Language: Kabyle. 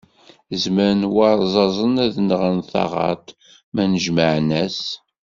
Zemren warzuzen ad nɣen taɣaṭ ma nnejmaɛen-as.